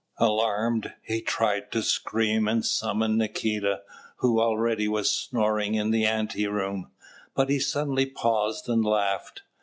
Alarmed, he tried to scream and summon Nikita, who already was snoring in the ante room; but he suddenly paused and laughed.